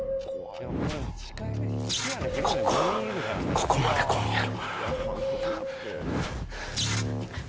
ここまで来んやろ。